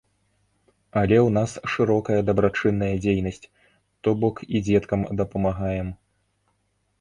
Але ў нас шырокая дабрачынная дзейнасць, то бок і дзеткам дапамагаем.